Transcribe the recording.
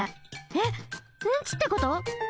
えっうんちってこと？